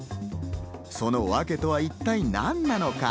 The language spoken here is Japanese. そのワケとは一体何なのか？